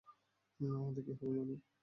আমাদের কি হবে মানে?